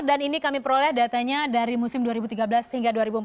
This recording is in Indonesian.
dan ini kami peroleh datanya dari musim dua ribu tiga belas hingga dua ribu empat belas